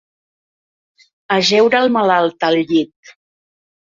Ajeure el malalt al llit.